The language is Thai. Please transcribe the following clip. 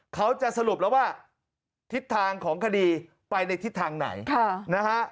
เขาจะสรุปแล้วว่าทิศทางของคดีไปในทิศทางไหนนะฮะ